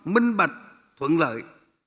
minh bạch thuận lợi